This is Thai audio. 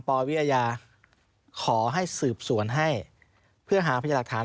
ว่ามีไม่มีซึ่งคุณคิดว่ามีหรือไม่มีนะธนาย